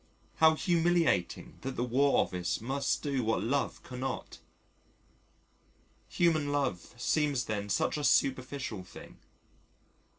How humiliating that the War Office must do what Love cannot. Human love seems then such a superficial thing.